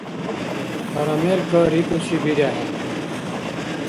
Карамелька рикӀуси бирехӀе.